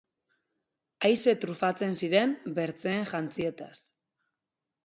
Aise trufatzen ziren bertzeen jantzietaz.